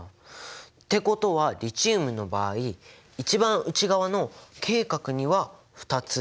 ってことはリチウムの場合一番内側のＫ殻には２つ。